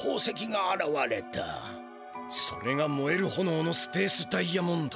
それがもえるほのおのスペースダイヤモンド。